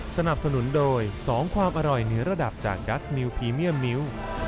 สนับสนุนโดย๒ความอร่อยเหนือระดับจากดัสนิวพรีเมียมมิ้ว